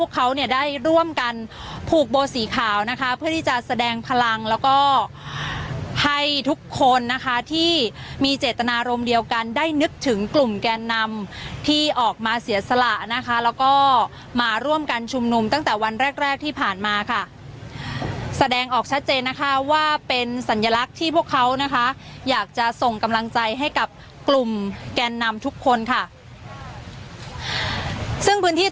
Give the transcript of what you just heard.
เขาเนี่ยได้ร่วมกันผูกโบสีขาวนะคะเพื่อที่จะแสดงพลังแล้วก็ให้ทุกคนนะคะที่มีเจตนารมณ์เดียวกันได้นึกถึงกลุ่มแกนนำที่ออกมาเสียสละนะคะแล้วก็มาร่วมกันชุมนุมตั้งแต่วันแรกแรกที่ผ่านมาค่ะแสดงออกชัดเจนนะคะว่าเป็นสัญลักษณ์ที่พวกเขานะคะอยากจะส่งกำลังใจให้กับกลุ่มแกนนำทุกคนค่ะซึ่งพื้นที่